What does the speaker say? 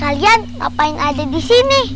kalian ngapain ada disini